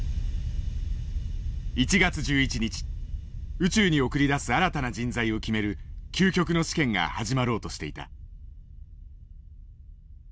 宇宙に送り出す新たな人材を決める究極の試験が始まろうとしていた。